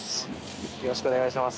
よろしくお願いします。